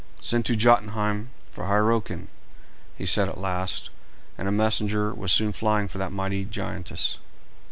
"Send to Jotunheim for Hyrroken," he said at last; and a messenger was soon flying for that mighty giantess.